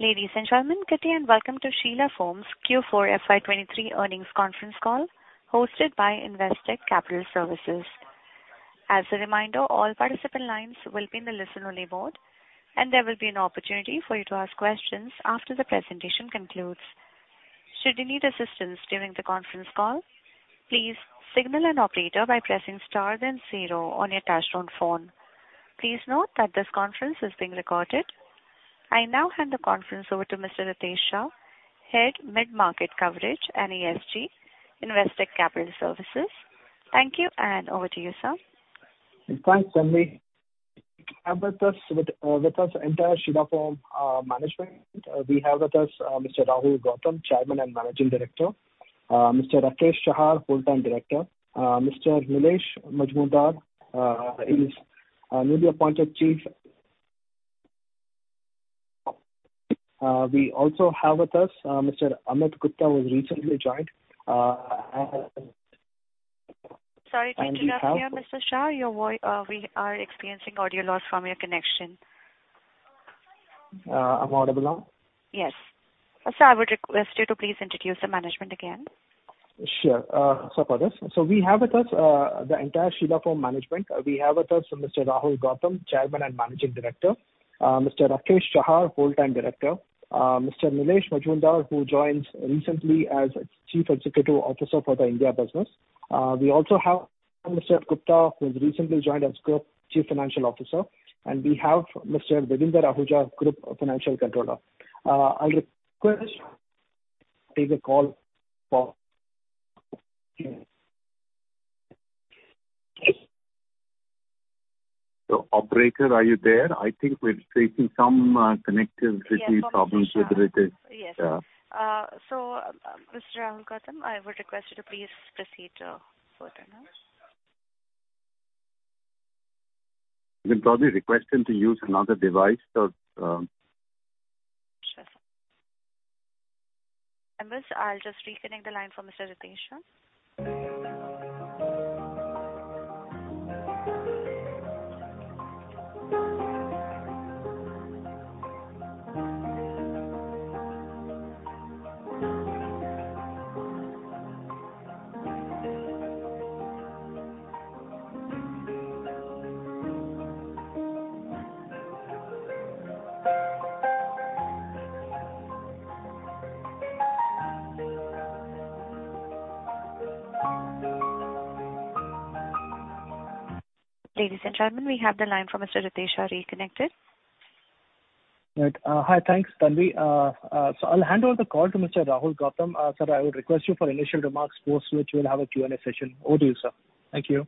Ladies and gentlemen, good day, and welcome to Sheela Foam's Q4 FY23 Earnings Conference Call, hosted by Investec Capital Services. As a reminder, all participant lines will be in the listen-only mode, and there will be an opportunity for you to ask questions after the presentation concludes. Should you need assistance during the conference call, please signal an operator by pressing star then zero on your touch-tone phone. Please note that this conference is being recorded. I now hand the conference over to Mr. Ritesh Shah, Head of Mid-Market Coverage and ESG, Investec Capital Services. Thank you, and over to you, sir. Thanks, Tanvi. We have with us the entire Sheela Foam management. We have with us Mr. Rahul Gautam, Chairman and Managing Director, Mr. Rakesh Chahar, Whole-time Director, Mr. Nilesh Mazumdar, he's newly appointed Chief. We also have with us Mr. Amit Gupta, who has recently joined, and- Sorry to interrupt you, Mr. Shah. Your voice, we are experiencing audio loss from your connection. Am I audible now? Yes. Sir, I would request you to please introduce the management again. Sure. We have with us the entire Sheela Foam management. We have with us Mr. Rahul Gautam, Chairman and Managing Director, Mr. Rakesh Chahar, Wholetime Director, Mr. Nilesh Mazumdar, who joined recently as Chief Executive Officer for the India business. We also have Mr. Gupta, who has recently joined as Group Chief Financial Officer, and we have Mr. Davinder Ahuja, Group Financial Controller. I request take the call for- So operator, are you there? I think we're facing some connectivity problems with Ritesh. Yes. Yeah. So, Mr. Rahul Gautam, I would request you to please proceed further now. We probably request him to use another device. Sure. Members, I'll just reconnect the line for Mr. Ritesh Shah. Ladies and gentlemen, we have the line from Mr. Ritesh Shah reconnected. Right. Hi. Thanks, Tanvi. So I'll hand over the call to Mr. Rahul Gautam. Sir, I would request you for initial remarks, post which we'll have a Q&A session. Over to you, sir. Thank you.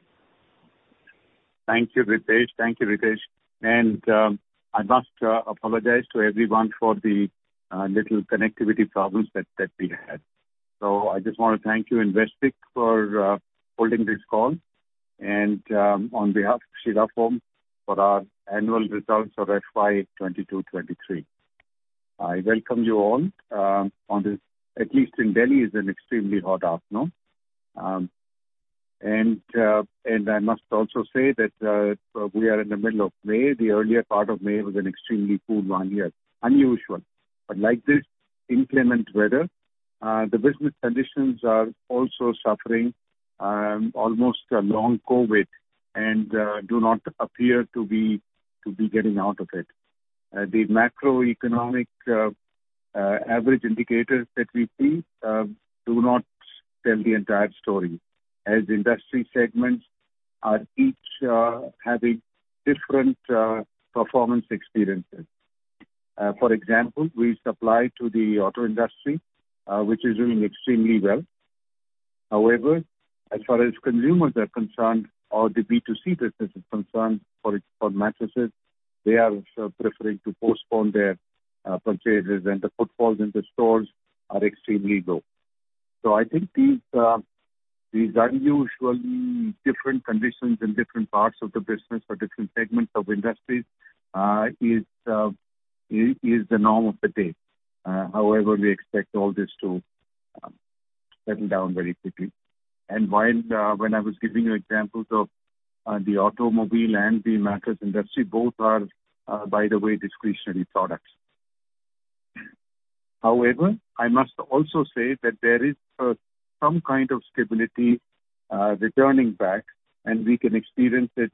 Thank you, Ritesh. Thank you, Ritesh. I must apologize to everyone for the little connectivity problems that we had. So I just want to thank you, Investec, for holding this call, and, on behalf of Sheela Foam, for our annual results for FY 2022-2023. I welcome you all, on this, at least in Delhi, is an extremely hot afternoon. And I must also say that we are in the middle of May. The earlier part of May was an extremely cool one here, unusual. But like this inclement weather, the business conditions are also suffering, almost a long COVID and do not appear to be getting out of it. The macroeconomic average indicators that we see do not tell the entire story, as industry segments are each having different performance experiences. For example, we supply to the auto industry, which is doing extremely well. However, as far as consumers are concerned, or the B2C business is concerned, for mattresses, they are sort of preferring to postpone their purchases, and the footfalls in the stores are extremely low. So I think these unusually different conditions in different parts of the business or different segments of industries is the norm of the day. However, we expect all this to settle down very quickly. And while when I was giving you examples of the automobile and the mattress industry, both are, by the way, discretionary products. However, I must also say that there is some kind of stability returning back, and we can experience it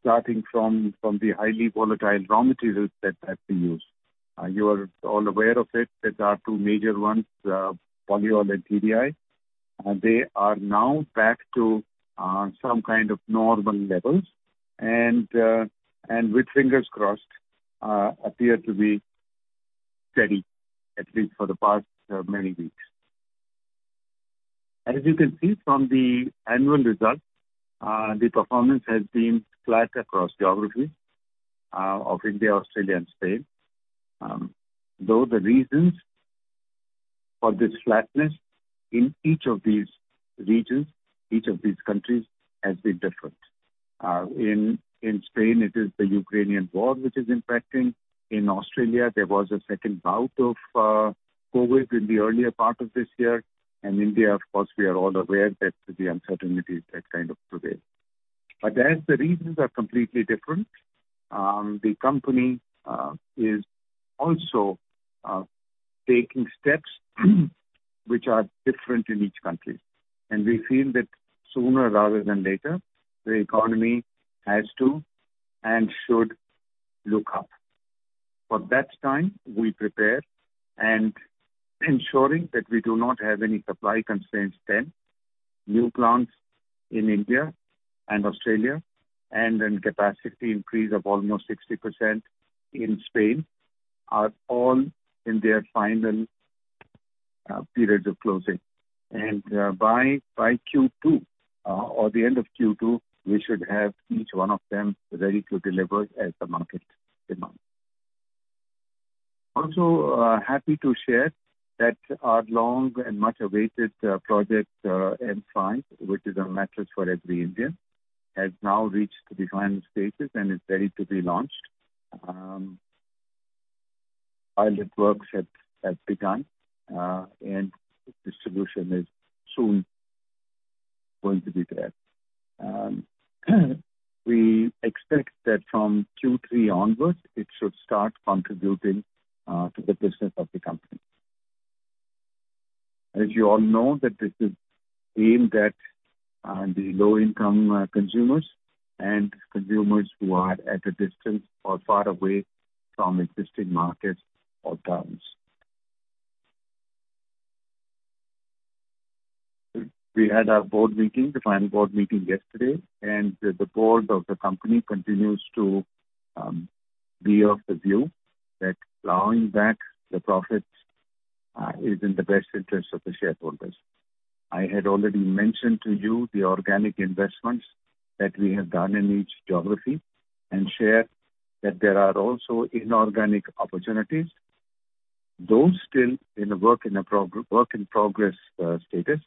starting from the highly volatile raw materials that have to use. You are all aware of it. There are two major ones, polyol and TDI. They are now back to some kind of normal levels, and with fingers crossed appear to be steady, at least for the past many weeks. As you can see from the annual results, the performance has been flat across geographies of India, Australia and Spain. Though the reasons for this flatness in each of these regions, each of these countries, has been different. In Spain, it is the Ukrainian war which is impacting. In Australia, there was a second bout of COVID in the earlier part of this year. And India, of course, we are all aware that the uncertainties that kind of prevail. But there, the reasons are completely different. The company is also taking steps which are different in each country. And we feel that sooner rather than later, the economy has to and should look up. For that time, we prepare, and ensuring that we do not have any supply constraints then. New plants in India and Australia, and then capacity increase of almost 60% in Spain, are all in their final periods of closing. And by Q2 or the end of Q2, we should have each one of them ready to deliver as the market demands. Also, happy to share that our long and much-awaited project M5, which is a mattress for every Indian, has now reached the final stages and is ready to be launched. Pilot works have begun, and distribution is soon going to be there. We expect that from Q3 onwards, it should start contributing to the business of the company. As you all know, that this is aimed at the low-income consumers and consumers who are at a distance or far away from existing markets or towns. We had our board meeting, the final board meeting yesterday, and the board of the company continues to be of the view that plowing back the profits is in the best interest of the shareholders. I had already mentioned to you the organic investments that we have done in each geography, and shared that there are also inorganic opportunities. Those still in work in progress status,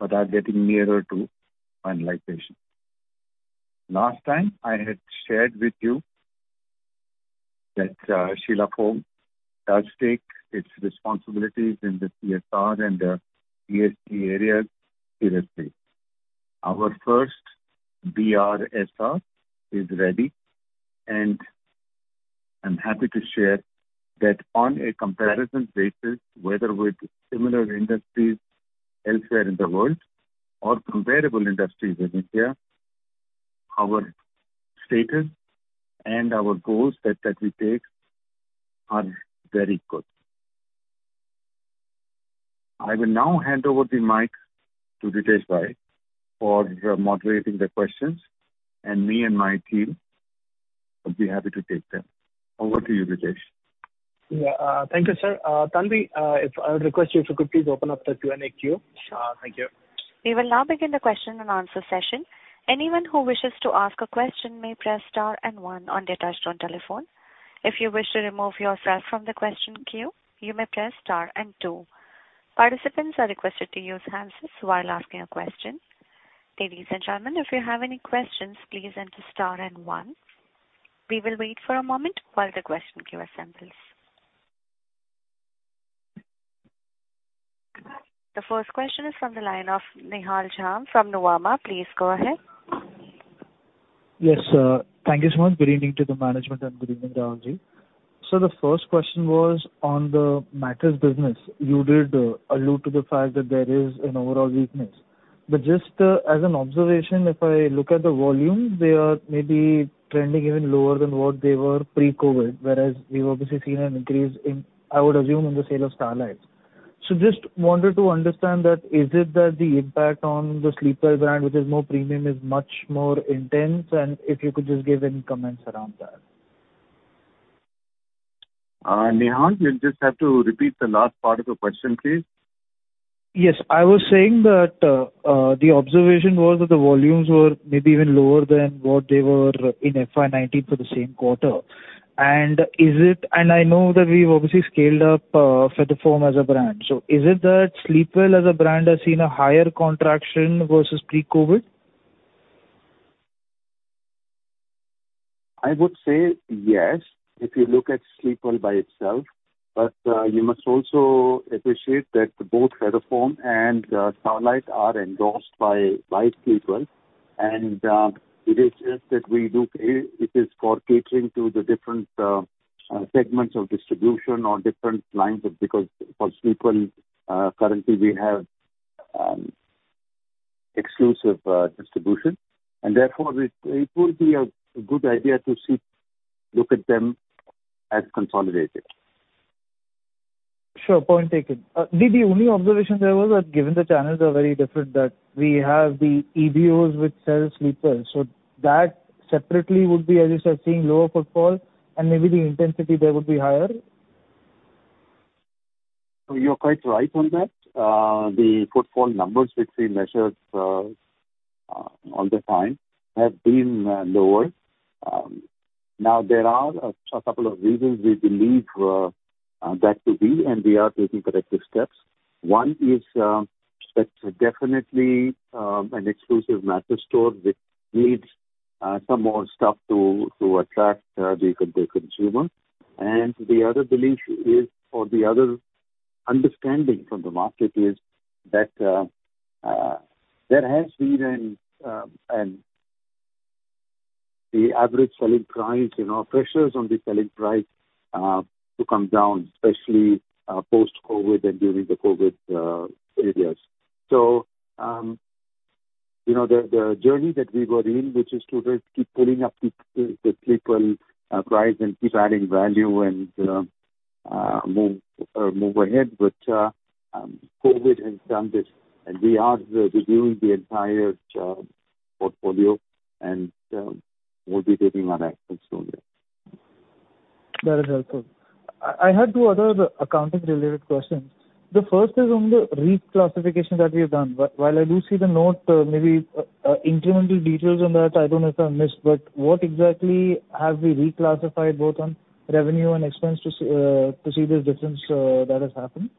but are getting nearer to finalization. Last time, I had shared with you that Sheela Foam does take its responsibilities in the CSR and ESG areas seriously. Our first BRSR is ready, and I'm happy to share that on a comparison basis, whether with similar industries elsewhere in the world or comparable industries in India, our status and our goals that we take are very good. I will now hand over the mic to Ritesh Bhai for moderating the questions, and me and my team will be happy to take them. Over to you, Ritesh. Yeah, thank you, sir. Tanvi, if I would request you, if you could please open up the Q&A queue. Sure. Thank you. We will now begin the question-and-answer session. Anyone who wishes to ask a question may press star and one on their touch-tone telephone. If you wish to remove yourself from the question queue, you may press star and two. Participants are requested to use hands-free while asking a question. Ladies and gentlemen, if you have any questions, please enter star and one. We will wait for a moment while the question queue assembles. The first question is from the line of Nihal Jham from Nuvama. Please go ahead. Yes, thank you so much. Good evening to the management, and good evening, Rahulji. So the first question was on the mattress business. You did allude to the fact that there is an overall weakness. But just as an observation, if I look at the volumes, they are maybe trending even lower than what they were pre-COVID, whereas we've obviously seen an increase in, I would assume, in the sale of Starlite. So just wanted to understand that, is it that the impact on the Sleepwell brand, which is more premium, is much more intense? And if you could just give any comments around that. Nihal, you'll just have to repeat the last part of the question, please. Yes. I was saying that the observation was that the volumes were maybe even lower than what they were in FY 2019 for the same quarter. And is it... And I know that we've obviously scaled up for the Foam as a brand. So is it that Sleepwell as a brand has seen a higher contraction versus pre-COVID? I would say yes, if you look at Sleepwell by itself. But you must also appreciate that both Foam and Starlite are endorsed by Sleepwell. And it is just that it is for catering to the different segments of distribution or different lines of. Because for Sleepwell, currently we have exclusive distribution. And therefore, it would be a good idea to look at them as consolidated. Sure. Point taken. The only observation there was that given the channels are very different, that we have the EBOs which sell Sleepwell, so that separately would be, as you said, seeing lower footfall, and maybe the intensity there would be higher? You're quite right on that. The footfall numbers which we measured all the time have been lower. Now, there are a couple of reasons we believe that to be, and we are taking corrective steps. One is that definitely an exclusive mattress store which needs some more stuff to attract the consumer. And the other belief is understanding from the market is that there has been and the average selling price, you know, pressures on the selling price to come down, especially post-COVID and during the COVID periods. So, you know, the journey that we were in, which is to just keep pulling up the clip and price, and keep adding value and move ahead. COVID has done this, and we are reviewing the entire portfolio, and we'll be taking our actions from there. That is helpful. I had two other accounting-related questions. The first is on the reclassification that we have done. While I do see the note, maybe incremental details on that, I don't know if I missed, but what exactly have we reclassified, both on revenue and expense to see the difference that has happened?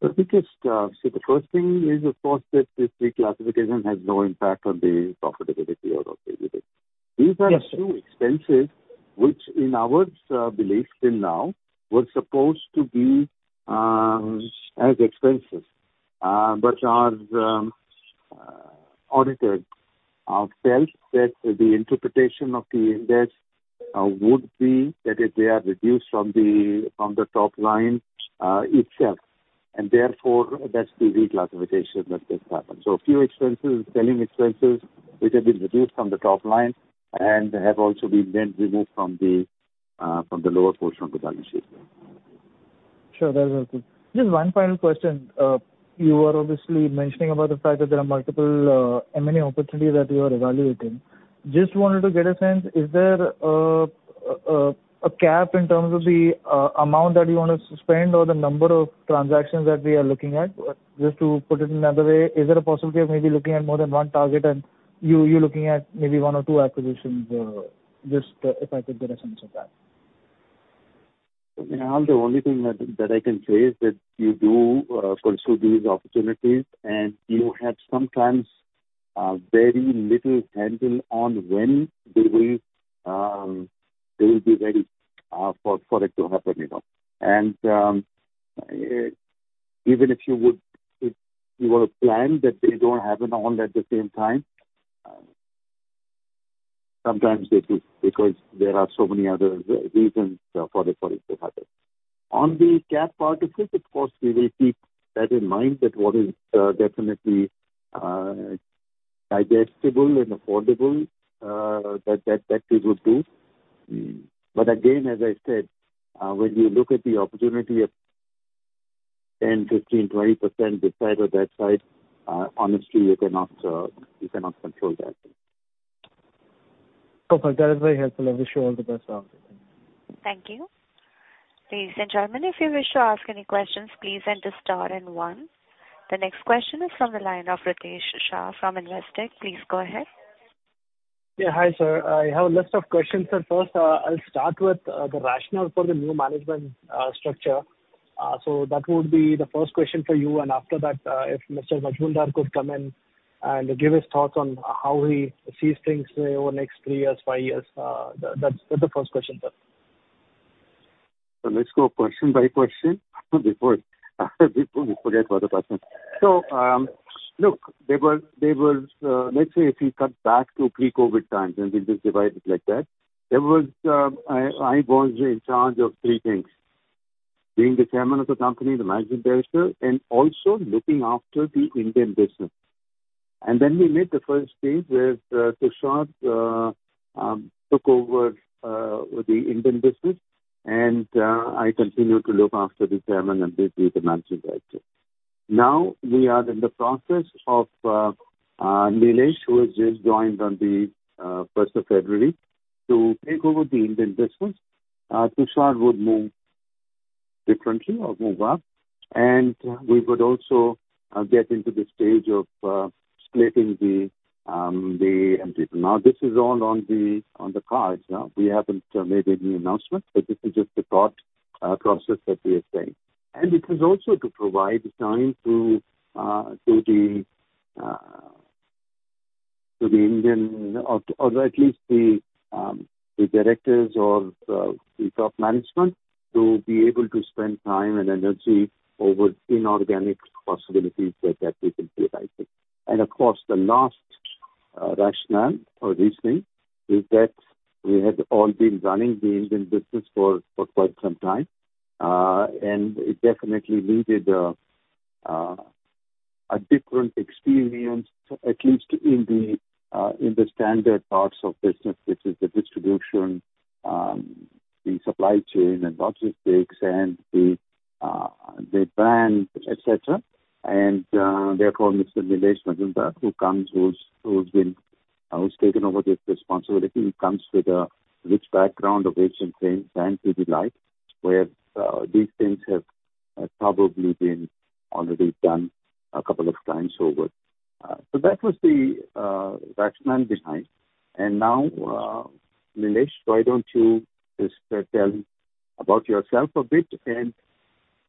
The biggest, so the first thing is, of course, that this reclassification has no impact on the profitability or on the business. Yes. These are two expenses which in our belief till now were supposed to be as expenses, but our auditors felt that the interpretation of the Ind AS would be that if they are reduced from the top line itself, and therefore that's the reclassification that has happened. So a few expenses, selling expenses, which have been reduced from the top line and have also been then removed from the lower portion of the balance sheet. Sure, that is helpful. Just one final question. You were obviously mentioning about the fact that there are multiple M&A opportunities that you are evaluating. Just wanted to get a sense, is there a cap in terms of the amount that you want to spend or the number of transactions that we are looking at? Just to put it another way, is there a possibility of maybe looking at more than one target, and you're looking at maybe one or two acquisitions? Just if I could get a sense of that. Nihal, the only thing that I can say is that you do pursue these opportunities, and you have sometimes very little handle on when they will be ready for it to happen, you know? And even if you would, if you want to plan that they don't happen all at the same time, sometimes they do, because there are so many other reasons for it to happen. On the cap part of it, of course, we will keep that in mind, that what is definitely digestible and affordable, that we would do. Mm. But again, as I said, when you look at the opportunity at 10, 15, 20% this side or that side, honestly, you cannot control that. Okay. That is very helpful. I wish you all the best out there. Thank you. Please, gentlemen, if you wish to ask any questions, please enter star and one. The next question is from the line of Ritesh Shah from Investec. Please go ahead. Yeah. Hi, sir. I have a list of questions, sir. First, I'll start with the rationale for the new management structure. So that would be the first question for you. And after that, if Mr. Mazumdar could come in and give his thoughts on how he sees things over the next three years, five years, that, that's the first question, sir. So let's go question by question before we forget what the question. So, look, there was... Let's say if we come back to pre-COVID times, and we'll just divide it like that, there was, I was in charge of three things: being the Chairman of the company, the Managing Director, and also looking after the Indian business. And then we made the first stage where Tushar took over the Indian business, and I continued to look after the Chairman and the Managing Director. Now, we are in the process of Nilesh, who has just joined on the first of February, to take over the Indian business. Tushar would move differently or move out, and we would also get into the stage of splitting the entity. Now, this is all on the cards. We haven't made any announcement, but this is just the thought process that we are saying. And it is also to provide the time to the Indian, or at least the directors or the top management, to be able to spend time and energy over inorganic possibilities that we can be right in. And of course, the last rationale or reasoning is that we had all been running the Indian business for quite some time, and it definitely needed a different experience, at least in the standard parts of business, which is the distribution, the supply chain and logistics and the brand, et cetera. And therefore, Mr. Nilesh Mazumdar, who comes, who's been, who's taken over this responsibility, he comes with a rich background of H&M brand, brand to delight, where these things have probably been already done a couple of times over. So that was the rationale behind. Now, Nilesh, why don't you just tell about yourself a bit and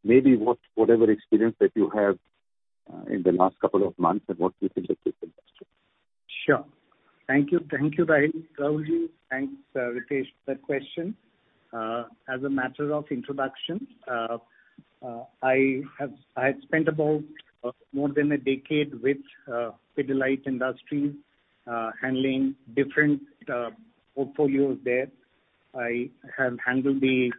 maybe whatever experience that you have in the last couple of months and what you think of this industry?... Sure. Thank you. Thank you, Rahul, Rahulji. Thanks, Ritesh, for that question. As a matter of introduction, I had spent about more than a decade with Pidilite Industries, handling different portfolios there. I have handled the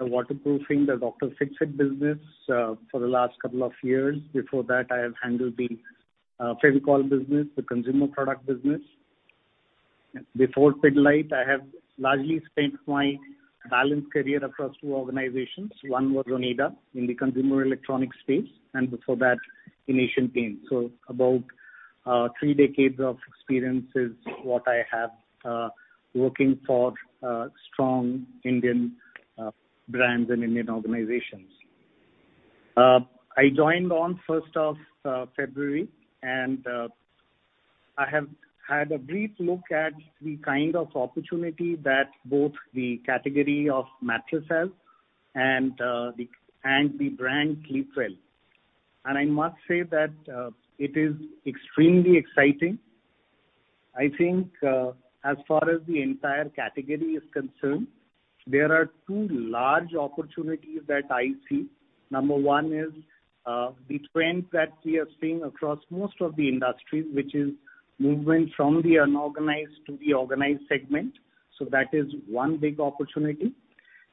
waterproofing, the Dr. Fixit business, for the last couple of years. Before that, I have handled the Fevicol business, the consumer product business. Before Pidilite, I have largely spent my balanced career across two organizations. One was Onida in the consumer electronics space, and before that, in Asian Paints. So about three decades of experience is what I have, working for strong Indian brands and Indian organizations. I joined on first of February, and I have had a brief look at the kind of opportunity that both the category of mattresses have and the brand Sleepwell. And I must say that it is extremely exciting. I think, as far as the entire category is concerned, there are two large opportunities that I see. Number one is the trend that we are seeing across most of the industries, which is movement from the unorganized to the organized segment. So that is one big opportunity.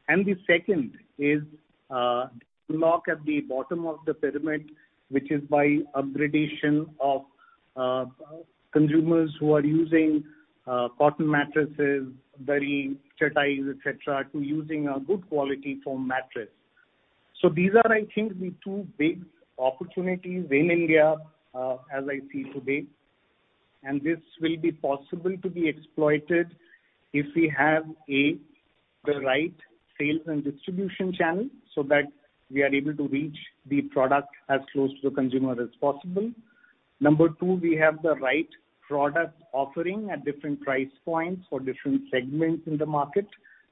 And the second is look at the bottom of the pyramid, which is by upgradation of consumers who are using cotton mattresses, charpoys, et cetera, to using a good quality foam mattress. So these are, I think, the two big opportunities in India, as I see today. This will be possible to be exploited if we have, A, the right sales and distribution channel, so that we are able to reach the product as close to the consumer as possible. Number two, we have the right product offering at different price points for different segments in the market,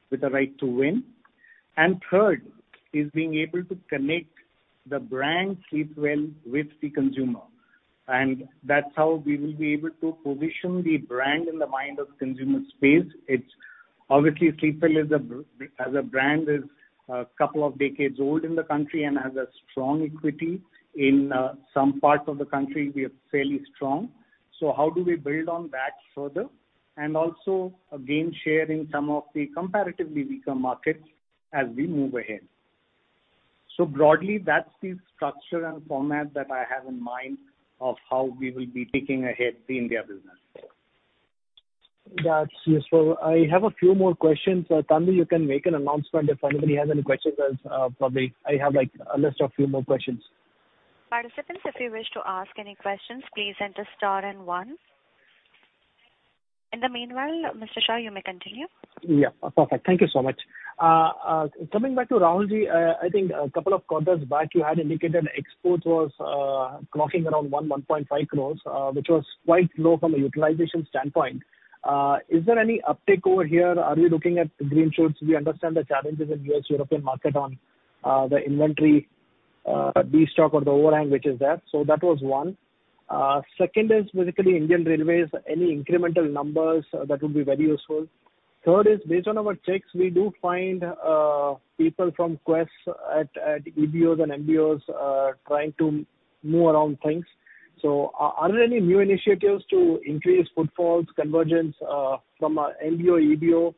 with the right to win. And third, is being able to connect the brand Sleepwell with the consumer, and that's how we will be able to position the brand in the mind of consumer space. It's obviously, Sleepwell is a b- as a brand, is a couple of decades old in the country and has a strong equity. In some parts of the country, we are fairly strong. So how do we build on that further? And also, again, share in some of the comparatively weaker markets as we move ahead. Broadly, that's the structure and format that I have in mind of how we will be taking ahead the India business. That's useful. I have a few more questions. Tanvi, you can make an announcement if anybody has any questions, as probably I have, like, a list of few more questions. Participants, if you wish to ask any questions, please enter star and one. In the meanwhile, Mr. Shah, you may continue. Yeah, perfect. Thank you so much. Coming back to Rahulji, I think a couple of quarters back, you had indicated exports was clocking around 1.5 crore, which was quite low from a utilization standpoint. Is there any uptick over here? Are we looking at green shoots? We understand the challenges in US, European market on the inventory, destock or the overhang, which is there. So that was one. Second is basically Indian Railways. Any incremental numbers? That would be very useful. Third is, based on our checks, we do find people from Quess at EBOs and MBOs trying to move around things. So are there any new initiatives to increase footfalls, conversion, from a MBO, EBO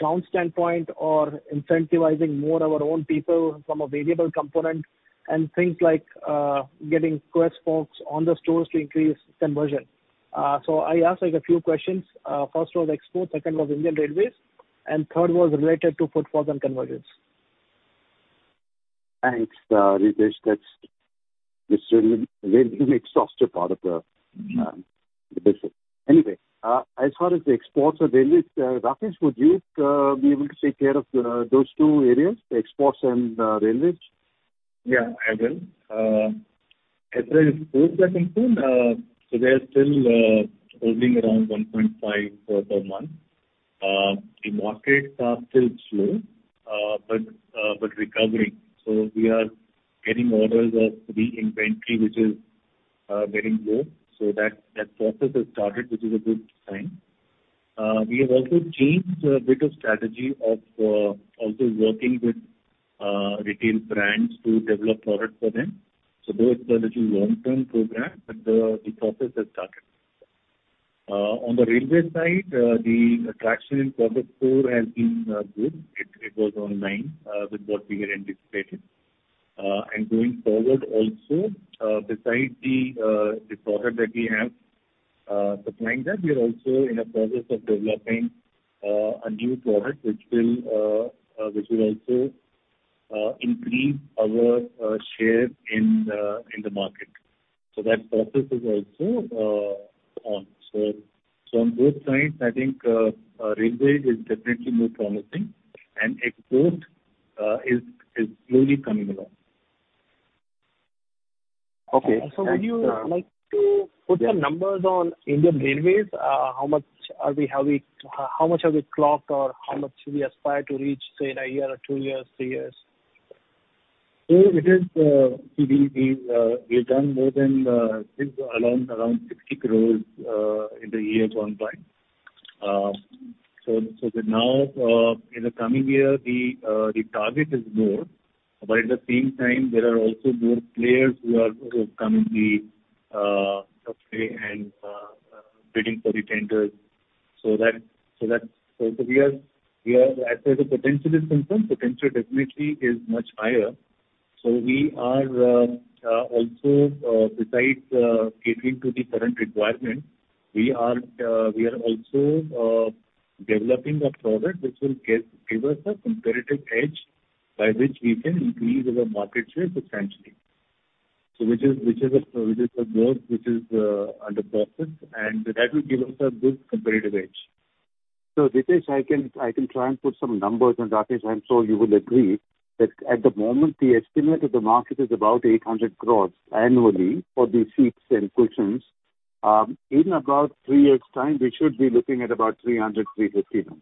count standpoint, or incentivizing more of our own people from a variable component, and things like getting Quess folks on the stores to increase conversion? So I asked, like, a few questions. First was export, second was Indian Railways, and third was related to footfalls and conversions. Thanks, Ritesh. That's... This is a very exhaustive part of the, the business. Anyway, as far as the exports and railways, Rakesh, would you be able to take care of those two areas, the exports and, railways? Yeah, I will. As far as exports are concerned, so they are still holding around 1.5 crore per month. The markets are still slow, but recovering. So we are getting orders of the inventory, which is getting low. So that process has started, which is a good sign. We have also changed a bit of strategy of also working with retail brands to develop products for them. So those are the two long-term programs, but the process has started. On the railway side, the traction in Q4 has been good. It was in line with what we had anticipated. And going forward also, besides the product that we have supplying that, we are also in a process of developing a new product which will also increase our share in the market. So that process is also on. So on both sides, I think, railway is definitely more promising and export is slowly coming along. Okay, thanks, So would you like to put your numbers on Indian Railways? How much are we, have we... How much have we clocked, or how much do we aspire to reach, say, in a year or two years, three years? So it is, we have done more than around 60 crores in the year gone by. So that now, in the coming year, the target is more, but at the same time, there are also more players who are coming the way and bidding for the tenders. So that, so we are, as far as the potential is concerned, potential definitely is much higher. So we are also, besides catering to the current requirement, we are also developing a product which will give us a competitive edge by which we can increase our market share substantially. So which is a work which is under process, and that will give us a good competitive edge. So Ritesh, I can try and put some numbers, and Rakesh, I'm sure you will agree, that at the moment, the estimate of the market is about 800 crore annually for these sheets and cushions. In about three years' time, we should be looking at about 300-350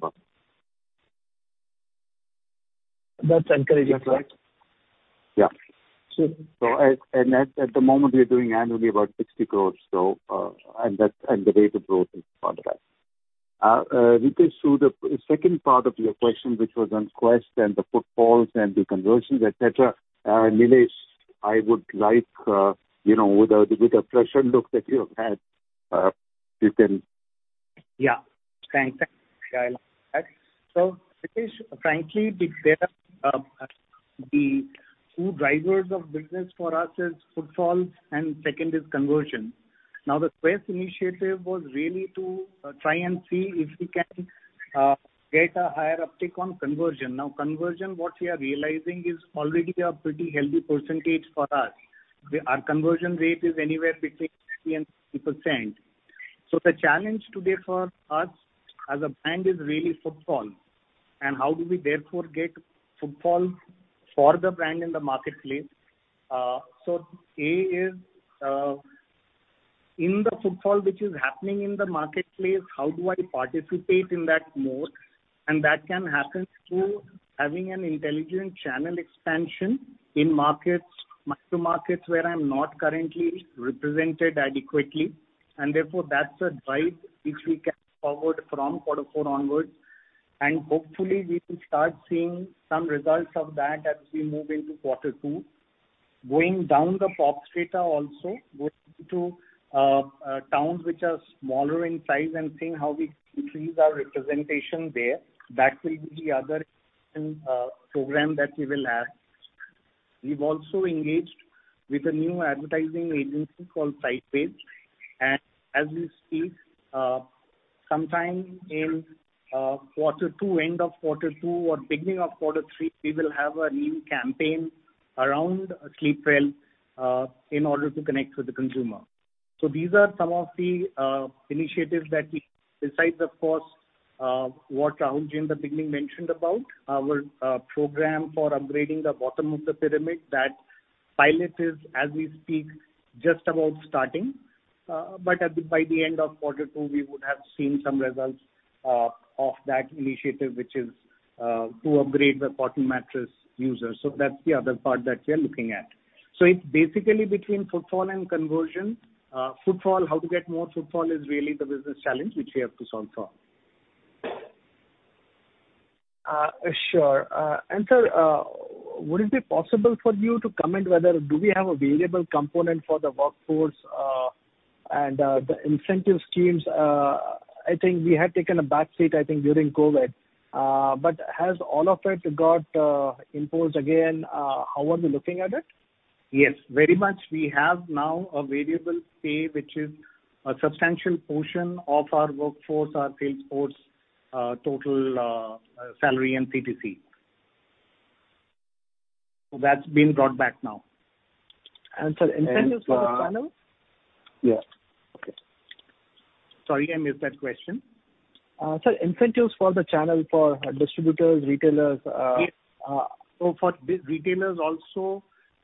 crore. That's encouraging. Is that right? Yeah. So- So at the moment, we are doing annually about 60 crore, and that's, and the rate of growth is on the rise. Ritesh, so the second part of your question, which was on Quess and the footfalls and the conversions, et cetera, Nilesh, I would like, you know, with the fresher look that you have had, you can- Yeah, thanks, So, Ritesh, frankly, the two drivers of business for us is footfall, and second is conversion. Now, the Quess initiative was really to try and see if we can get a higher uptick on conversion. Now, conversion, what we are realizing is already a pretty healthy percentage for us. Our conversion rate is anywhere between 50%-60%. So the challenge today for us as a brand is really footfall, and how do we therefore get footfall for the brand in the marketplace? So A is in the footfall which is happening in the marketplace, how do I participate in that more? And that can happen through having an intelligent channel expansion in markets, to markets where I'm not currently represented adequately, and therefore, that's a drive which we can forward from quarter four onwards. Hopefully, we will start seeing some results of that as we move into quarter two. Going down the POP data also, going into towns which are smaller in size and seeing how we increase our representation there, that will be the other program that we will add. We've also engaged with a new advertising agency called Sideways, and as we speak, sometime in quarter two, end of quarter two or beginning of quarter three, we will have a new campaign around Sleepwell in order to connect with the consumer. So these are some of the initiatives that we, besides, of course, what Rahulji in the beginning mentioned about our program for upgrading the bottom of the pyramid, that pilot is, as we speak, just about starting. But by the end of quarter two, we would have seen some results of that initiative, which is to upgrade the cotton mattress users. So that's the other part that we are looking at. So it's basically between footfall and conversion. Footfall, how to get more footfall is really the business challenge which we have to solve for. Sure. And sir, would it be possible for you to comment whether do we have a variable component for the workforce, and the incentive schemes? I think we had taken a back seat, I think, during COVID, but has all of it got imposed again? How are we looking at it? Yes, very much. We have now a variable pay, which is a substantial portion of our workforce, our sales force, total, salary and CTC. So that's been brought back now. Sir, incentives for the channel? Yeah. Okay. Sorry, I missed that question. Sir, incentives for the channel, for distributors, retailers. Yes. So for retailers also,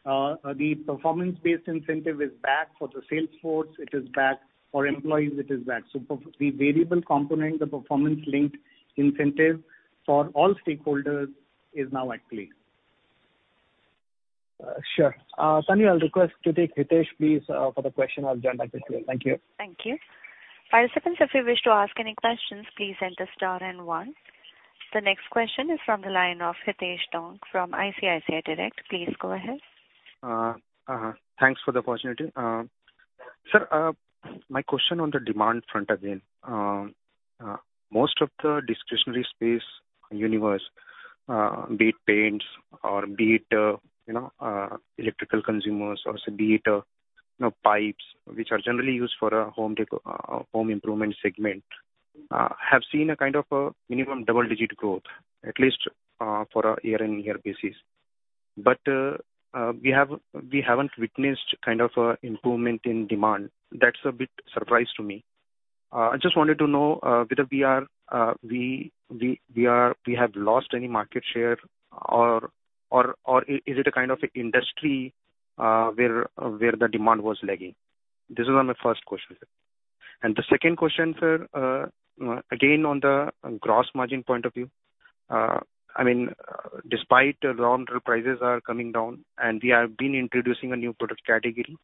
the performance-based incentive is back for the sales force. It is back for employees, it is back. So the variable component, the performance-linked incentive for all stakeholders, is now at play. Sure. Sunny, I'll request to take Hitesh, please, for the question. Thank you. Thank you. Participants, if you wish to ask any questions, please enter star and one. The next question is from the line of Hitesh Taunk from ICICI Direct. Please go ahead. Thanks for the opportunity. Sir, my question on the demand front again. Most of the discretionary space universe, be it paints or be it, you know, electrical consumers or be it, you know, pipes, which are generally used for a home improvement segment, have seen a kind of a minimum double-digit growth, at least, for a year-on-year basis. But, we have, we haven't witnessed kind of a improvement in demand. That's a big surprise to me. I just wanted to know, whether we are, we have lost any market share, or, is it a kind of a industry, where, where the demand was lagging? This is on my first question, sir. And the second question, sir, again, on the gross margin point of view. I mean, despite raw material prices are coming down, and we have been introducing a new product category,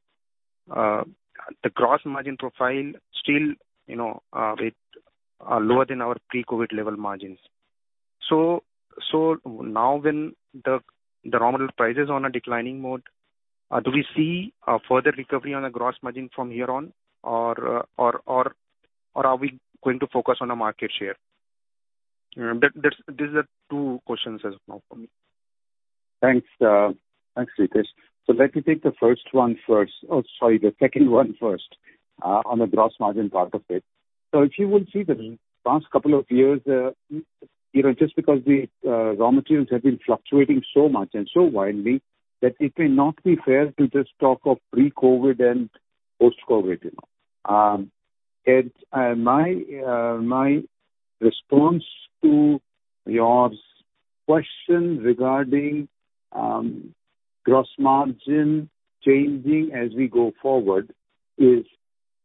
the gross margin profile still, you know, it are lower than our pre-COVID level margins. So, so now when the raw material prices are on a declining mode, do we see a further recovery on the gross margin from here on, or, or, or are we going to focus on the market share? That, that's—these are two questions as of now for me. Thanks, thanks, Ritesh. So let me take the first one first. Oh, sorry, the second one first, on the gross margin part of it. So if you will see the past couple of years, you know, just because the raw materials have been fluctuating so much and so widely, that it may not be fair to just talk of pre-COVID and post-COVID, you know. And my response to your question regarding gross margin changing as we go forward, is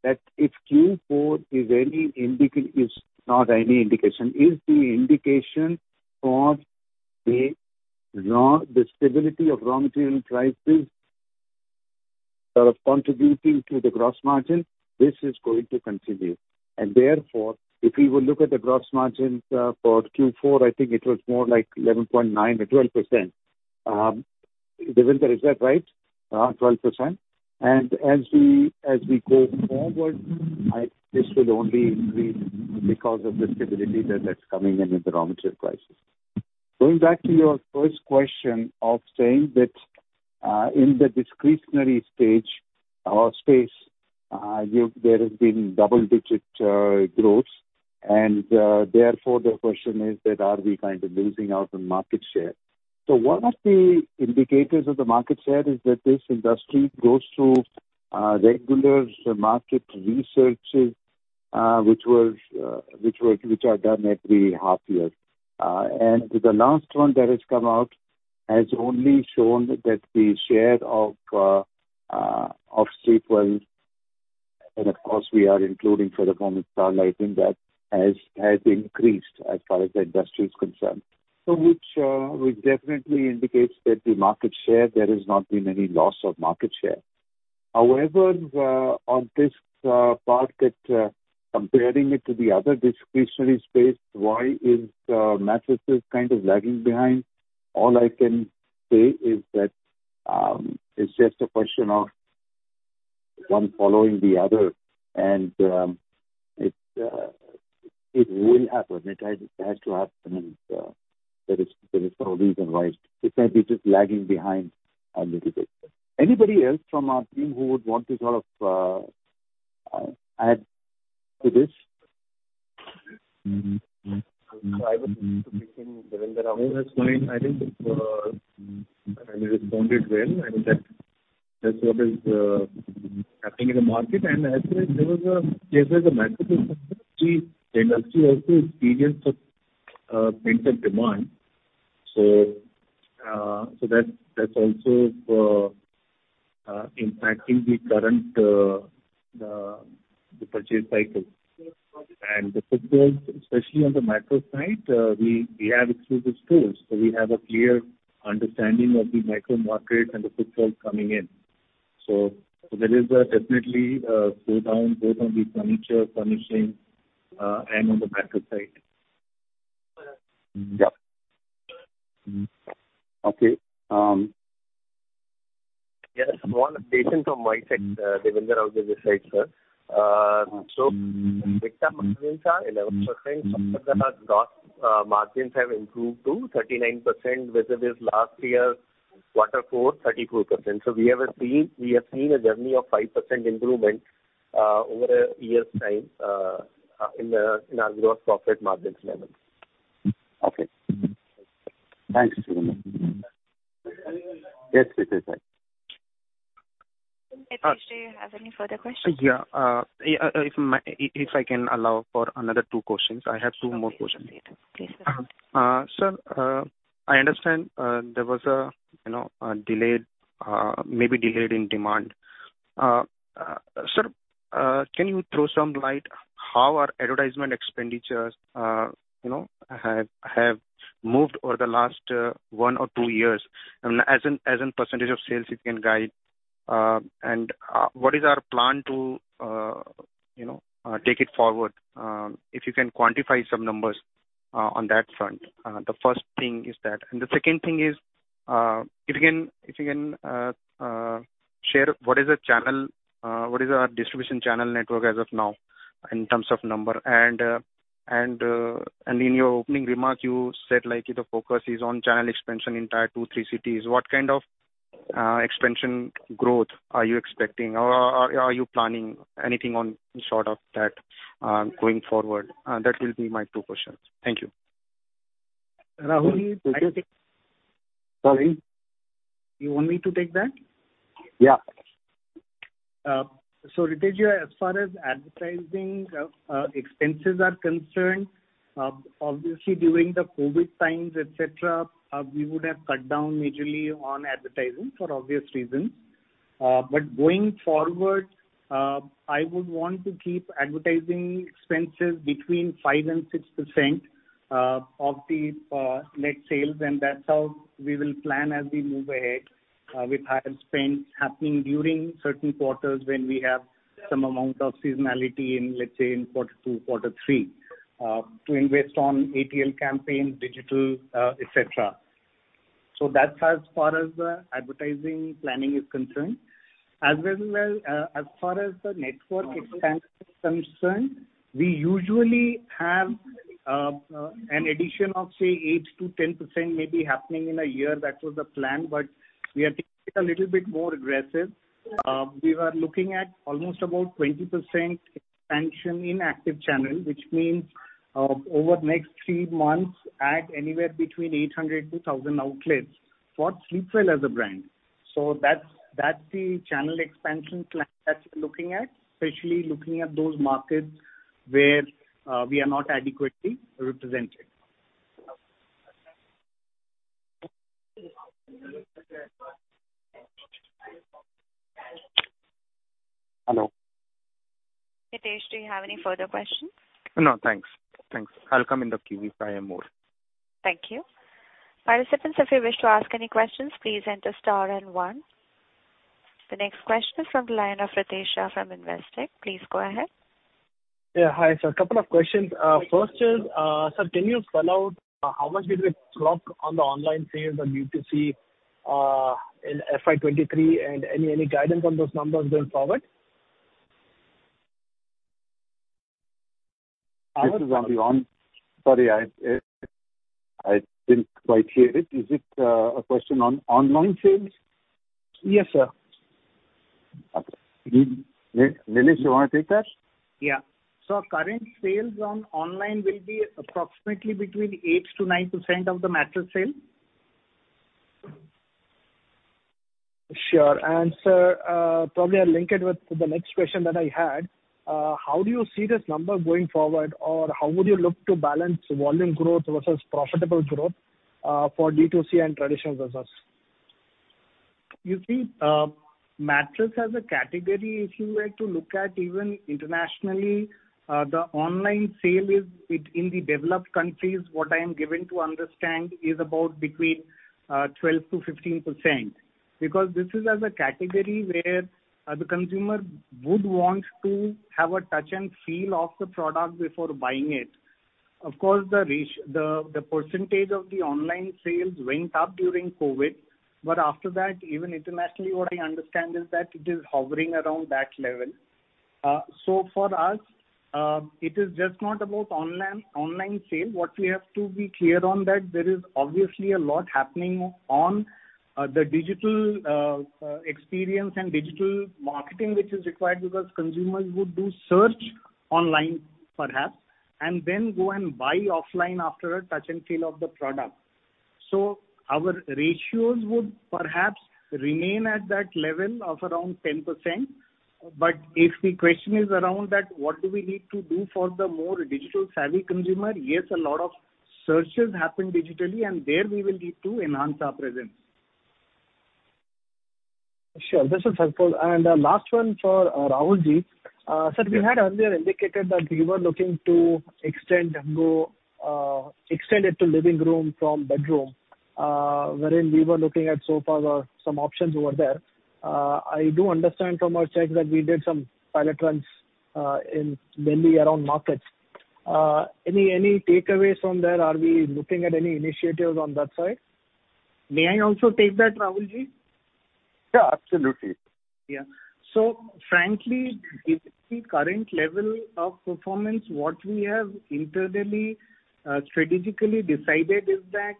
that if Q4 is any indication—it's not any indication, is the indication of the raw, the stability of raw material prices sort of contributing to the gross margin, this is going to continue. And therefore, if you will look at the gross margins, for Q4, I think it was more like 11.9% or 12%. Devender, is that right? 12%. And as we go forward, this will only increase because of the stability that is coming in with the raw material prices. Going back to your first question of saying that in the discretionary stage or space, there has been double-digit growth, and therefore the question is that are we kind of losing out on market share? So one of the indicators of the market share is that this industry goes through regular market researches, which are done every half year. And the last one that has come out has only shown that the share of Sleepwell, and of course, we are including for the moment Starlite, has increased as far as the industry is concerned. So which definitely indicates that the market share, there has not been any loss of market share. However, on this part that comparing it to the other discretionary space, why is mattresses kind of lagging behind? All I can say is that it's just a question of one following the other, and it will happen. It has to happen, and there is no reason why it might be just lagging behind a little bit. Anybody else from our team who would want to sort of add to this? So I would in, Devender. No, that's fine. I think I responded well, and that, that's what is happening in the market. And as there was a mattress industry, the industry also experienced a pent-up demand. So that's also impacting the current purchase cycle. And the footfalls, especially on the mattress side, we have exclusive stores, so we have a clear understanding of the micro market and the footfalls coming in. So there is definitely a slowdown both on the furniture, furnishings, and on the mattress side. Yep. Okay. Yes, one addition from my side, Davinder, also this side, sir. So EBITDA margins are 11%. Gross margins have improved to 39%, versus last year's quarter four, 32%. So we have seen, we have seen a journey of 5% improvement, over a year's time, in the, in our gross profit margins level. Okay. Thanks, Davinder. Yes, Ritesh, sir. Uh- Ritesh, do you have any further questions? Yeah. If I can allow for another two questions. I have two more questions. Okay. Please, sir. Sir, I understand there was a, you know, a delay, maybe delay in demand. Sir, can you throw some light how our advertisement expenditures, you know, have, have moved over the last one or two years, and as in, as in percentage of sales, if you can guide? And, what is our plan to, you know, take it forward? If you can quantify some numbers, on that front. The first thing is that. And the second thing is, if you can, if you can, share what is the channel, what is our distribution channel network as of now, in terms of number? And, and, in your opening remarks, you said, like, the focus is on channel expansion in tier two, three cities. What kind of expansion growth are you expecting, or are you planning anything on sort of that going forward? That will be my two questions. Thank you. Rahul, I think- Sorry? You want me to take that? Yeah. Ritesh, as far as advertising expenses are concerned-... obviously, during the COVID times, et cetera, we would have cut down majorly on advertising for obvious reasons. But going forward, I would want to keep advertising expenses between 5%-6% of the net sales, and that's how we will plan as we move ahead, with higher spends happening during certain quarters when we have some amount of seasonality in, let's say, in quarter two, quarter three, to invest on ATL campaign, digital, et cetera. So that's as far as the advertising planning is concerned. As well as, as far as the network expansion is concerned, we usually have an addition of, say, 8%-10% maybe happening in a year. That was the plan, but we are thinking a little bit more aggressive. We were looking at almost about 20% expansion in active channel, which means, over the next three months, add anywhere between 800-1,000 outlets for Sleepwell as a brand. So that's, that's the channel expansion plan that we're looking at, especially looking at those markets where, we are not adequately represented. Hello? Hitesh, do you have any further questions? No, thanks. Thanks. I'll come in the queue if I have more. Thank you. Participants, if you wish to ask any questions, please enter star and one. The next question is from the line of Ritesh Shah from Investec. Please go ahead. Yeah, hi, sir. A couple of questions. First is, sir, can you spell out how much did we drop on the online sales on D2C in FY 23, and any guidance on those numbers going forward? This is Rahul. Sorry, I, I didn't quite hear it. Is it, a question on online sales? Yes, sir. Okay. Nilesh, you want to take that? Yeah. So our current sales on online will be approximately between 8%-9% of the mattress sale. Sure. Sir, probably I'll link it with the next question that I had. How do you see this number going forward, or how would you look to balance volume growth versus profitable growth, for D2C and traditional business? You see, mattress as a category, if you were to look at even internationally, the online sale is it, in the developed countries, what I am given to understand, is about between 12%-15%. Because this is as a category where, the consumer would want to have a touch and feel of the product before buying it. Of course, the reach, the, the percentage of the online sales went up during COVID, but after that, even internationally, what I understand is that it is hovering around that level. So for us, it is just not about online, online sale. What we have to be clear on that there is obviously a lot happening on, the digital experience and digital marketing, which is required because consumers would do search online, perhaps, and then go and buy offline after a touch and feel of the product. So our ratios would perhaps remain at that level of around 10%. But if the question is around that, what do we need to do for the more digital-savvy consumer? Yes, a lot of searches happen digitally, and there we will need to enhance our presence. Sure. This is helpful. And last one for Rahulji. Sir, we had earlier indicated that we were looking to extend it to living room from bedroom, wherein we were looking at sofas or some options over there. I do understand from our checks that we did some pilot runs in Delhi around markets. Any takeaways from there? Are we looking at any initiatives on that side? May I also take that, Rahulji? Yeah, absolutely. Yeah. So frankly, with the current level of performance, what we have internally, strategically decided is that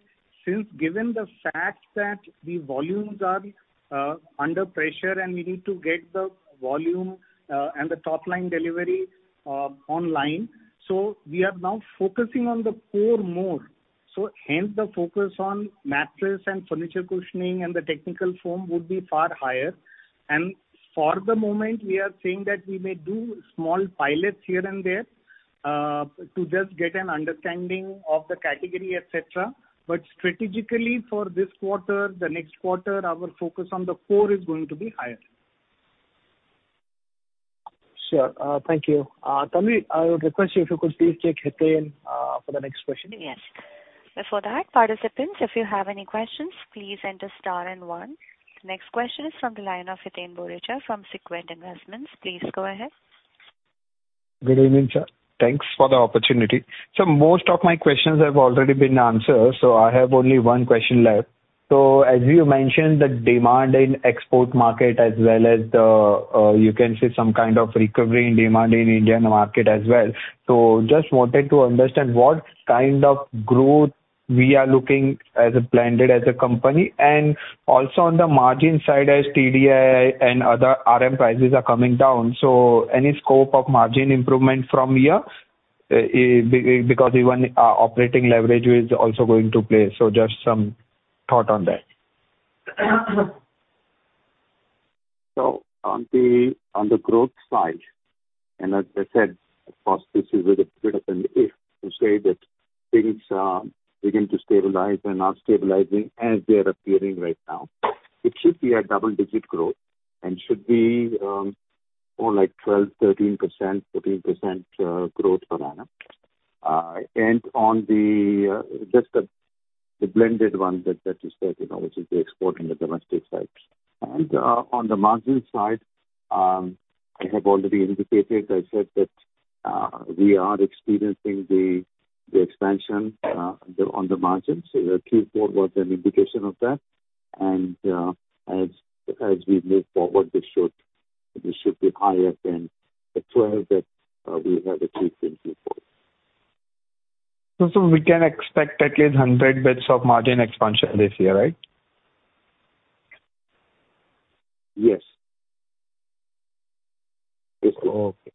since given the fact that the volumes are, under pressure, and we need to get the volume, and the top-line delivery, online, so we are now focusing on the core more. So hence, the focus on mattress and furniture cushioning and the technical foam would be far higher. And for the moment, we are saying that we may do small pilots here and there, to just get an understanding of the category, et cetera. But strategically, for this quarter, the next quarter, our focus on the core is going to be higher. Sure. Thank you. Can we, I would request you, if you could please take Hiten for the next question? Yes. Before that, participants, if you have any questions, please enter star and one. The next question is from the line of Hiten Bohra from Sequent Investments. Please go ahead. Good evening, sir. Thanks for the opportunity. So most of my questions have already been answered, so I have only one question left. So as you mentioned, the demand in export market as well as the, you can say some kind of recovery in demand in Indian market as well. So just wanted to understand, what kind of growth we are looking as a, planned as a company? And also on the margin side, as TDI and other RM prices are coming down, so any scope of margin improvement from here, because even operating leverage is also going to play. So just some thought on that. So on the growth side, and as I said, of course, this is with a bit of an if, to say that things begin to stabilize and are stabilizing as they are appearing right now. It should be a double-digit growth and should be more like 12%, 13%-14% growth per annum. And on the just the blended one that you said, you know, which is the export and the domestic sides. And on the margin side, I have already indicated, I said that we are experiencing the expansion on the margins, so the Q4 was an indication of that. And as we move forward, this should be higher than the 12 that we had achieved in Q4. So, we can expect at least 100 bits of margin expansion this year, right? Yes. Yes. Okay.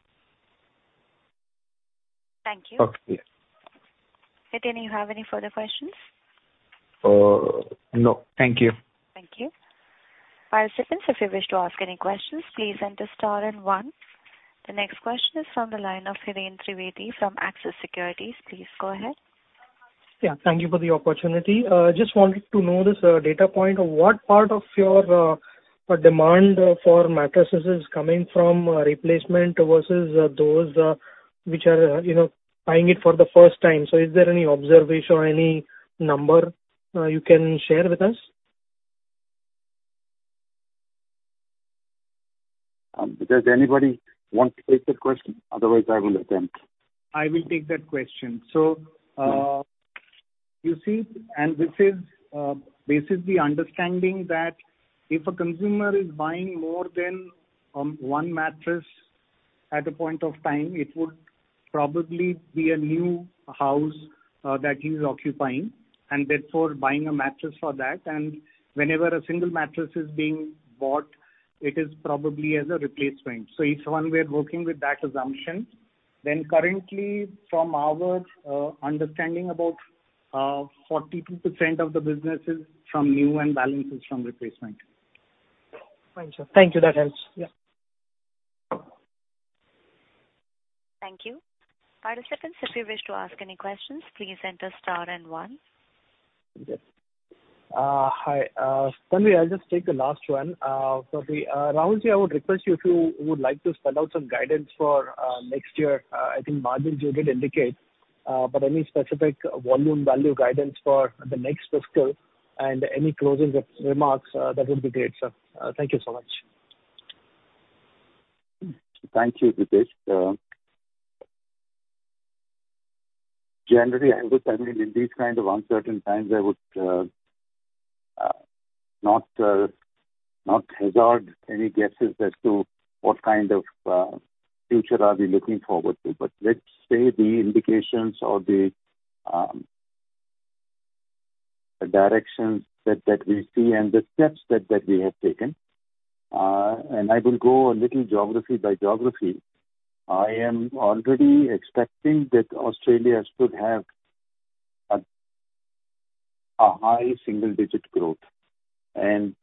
Thank you. Okay. Nitin, you have any further questions? No. Thank you. Thank you. Participants, if you wish to ask any questions, please enter star and one. The next question is from the line of Hiren Trivedi from Axis Securities. Please go ahead. Yeah, thank you for the opportunity. Just wanted to know this data point. What part of your demand for mattresses is coming from replacement versus those which are, you know, buying it for the first time? So is there any observation or any number you can share with us? Does anybody want to take that question? Otherwise, I will attempt. I will take that question. So, you see, and this is the understanding that if a consumer is buying more than one mattress at a point of time, it would probably be a new house that he's occupying, and therefore buying a mattress for that. And whenever a single mattress is being bought, it is probably as a replacement. So each one, we are working with that assumption. Then currently, from our understanding, about 42% of the business is from new and balance is from replacement. Thank you. Thank you. That helps. Yeah. Thank you. Participants, if you wish to ask any questions, please enter star and one. Yes. Hi, Tanvi, I'll just take the last one. So, Rahulji, I would request you if you would like to spell out some guidance for next year. I think margins you did indicate, but any specific volume value guidance for the next fiscal and any closing remarks, that would be great, sir. Thank you so much. Thank you, Ritesh. Generally, I would, I mean, in these kind of uncertain times, I would not hazard any guesses as to what kind of future are we looking forward to. But let's say the indications or the directions that we see and the steps that we have taken, and I will go a little geography by geography. I am already expecting that Australia should have a high single-digit growth. And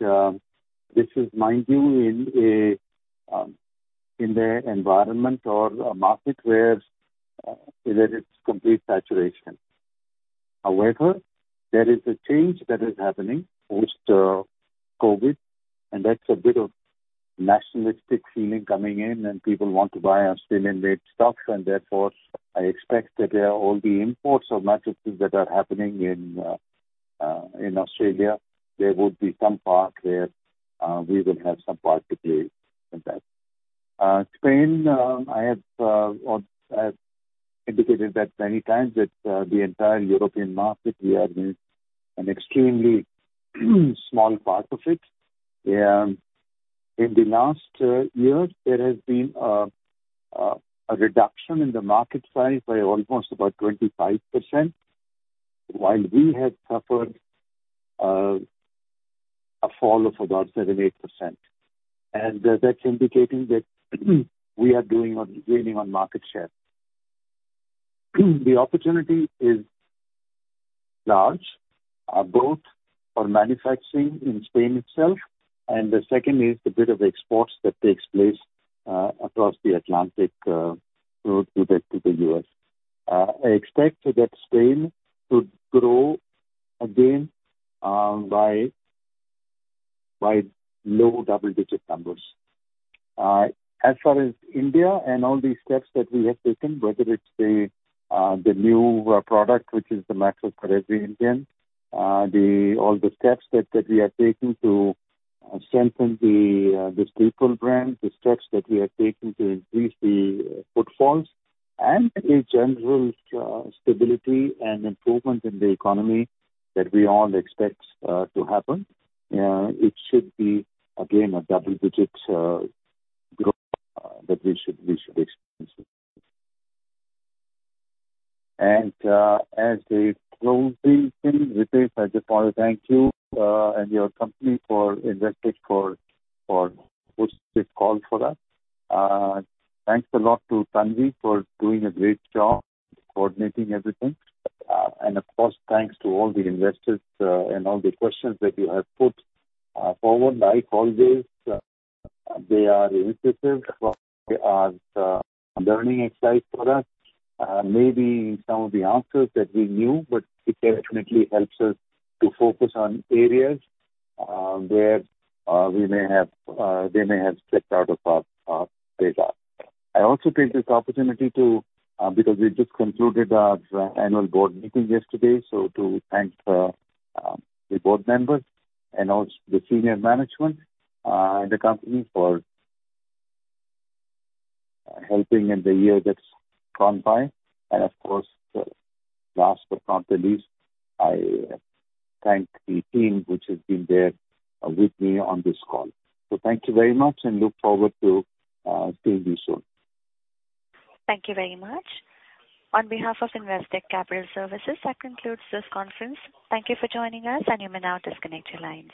this is, mind you, in the environment or a market where there is complete saturation. However, there is a change that is happening post-COVID, and that's a bit of nationalistic feeling coming in, and people want to buy Australian-made stocks, and therefore, I expect that all the imports of mattresses that are happening in Australia, there would be some part where we will have some part to play in that. Spain, I have or I have indicated that many times, that the entire European market, we have been an extremely small part of it. In the last years, there has been a reduction in the market size by almost about 25%, while we had suffered a fall of about 7%-8%. And that's indicating that we are doing on, gaining on market share. The opportunity is large, both for manufacturing in Spain itself, and the second is the bit of exports that takes place, across the Atlantic route to the U.S. I expect that Spain should grow again by low double-digit numbers. As far as India and all the steps that we have taken, whether it's the new product, which is the M5, all the steps that we have taken to strengthen the Sleepwell brand, the steps that we have taken to increase the footfalls and a general stability and improvement in the economy that we all expect to happen, it should be again a double-digit growth that we should experience. As a closing thing, Ritesh, I just want to thank you and your company for Investec for hosting this call for us. Thanks a lot to Tanvi for doing a great job coordinating everything. And of course, thanks to all the investors and all the questions that you have put forward. Like always, they are initiatives, a learning exercise for us. Maybe some of the answers that we knew, but it definitely helps us to focus on areas where they may have slipped out of our radar. I also take this opportunity to, because we just concluded our annual board meeting yesterday, so to thank the board members and also the senior management and the company for helping in the year that's gone by. Of course, last but not the least, I thank the team which has been there with me on this call. So thank you very much and look forward to seeing you soon. Thank you very much. On behalf of Investec Capital Services, that concludes this conference. Thank you for joining us, and you may now disconnect your lines.